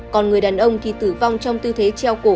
còn người đàn ông thì tử vong trong tư thế treo cổ